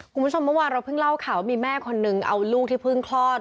คุณผู้ชมเมื่อวานเราเพิ่งเล่าข่าวว่ามีแม่คนนึงเอาลูกที่เพิ่งคลอด